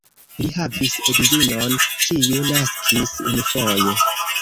Li havis edzinon, kiu naskis unufoje.